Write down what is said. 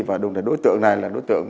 và đúng là đối tượng này là đối tượng